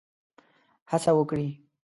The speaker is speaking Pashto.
هڅه وکړي.